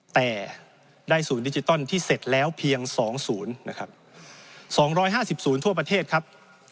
แต่ได้ศูนย์ดิจิทัลที่เสร็จแล้วเพียงสองศูนย์นะครับสองร้อยห้าสิบศูนย์ทั่วประเทศครับ